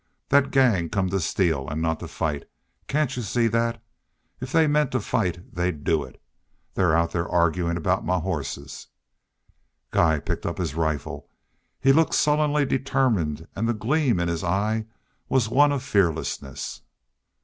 "That gang come to steal an' not to fight. Can't you see that? If they meant to fight they'd do it. They're out there arguin' about my hosses." Guy picked up his rifle. He looked sullenly determined and the gleam in his eye was one of fearlessness.